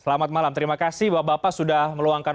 selamat malam terima kasih bapak bapak sudah meluangkan